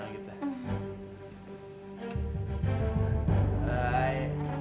kamu duluan deh